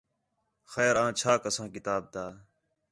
خیر آں چَھا کساں کتاب تا